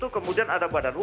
maunya apa sih